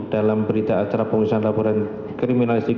dalam berita acara pemeriksaan laporan kriminalistik